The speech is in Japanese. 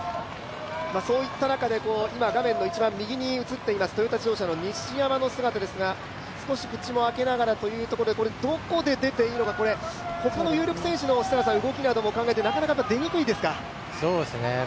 そういった中、画面一番右に映っていました、トヨタ自動車の西山の姿ですが少し口も開けながらというところで、これ、どこで出ていいのか、ほかの有力選手の動きなども考えて、なかなか出にくいですか？